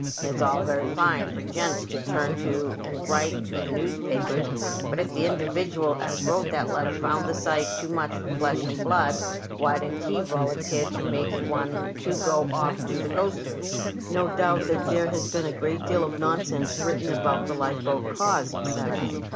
It's all very .fine for gents to turn to and write to the newspapers ; but if the individual as wrote that letter found the sight too much for flesh and blood, why didn't he volunteer to make one to go off to the coasters ?*''' No doubt there has been a great deal of nonsense written about the lifeboat cause," said I.